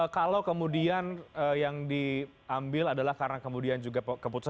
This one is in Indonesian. kalau kemudian yang diambil adalah karena kemudian juga keputusan